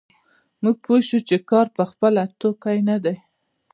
موږ پوه شوو چې کار په خپله توکی نه دی